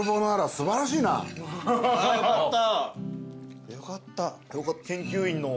・よかった。